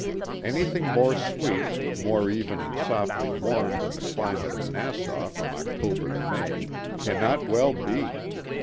Anything more sweet, more even and softly warm than the climate of Nassau from October to May cannot well be.